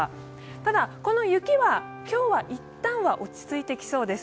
ただ、この雪は今日は一旦は落ち着いてきそうです。